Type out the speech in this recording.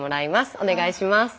お願いします。